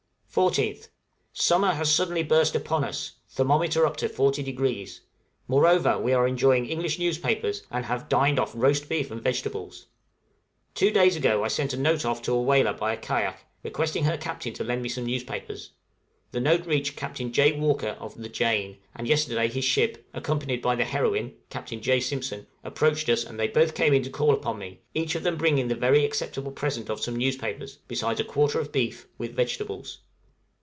14th. Summer has suddenly burst upon us thermometer up to 40°; moreover, we are enjoying English newspapers, and have dined off roast beef and vegetables! {MEET THE WHALERS.} Two days ago I sent a note off to a whaler by a kayak, requesting her captain to lend me some newspapers; the note reached Captain J. Walker, of the 'Jane,' and yesterday his ship, accompanied by the 'Heroine,' Captain J. Simpson, approached us, and they both came in to call upon me, each of them bringing the very acceptable present of some newspapers, besides a quarter of beef, with vegetables.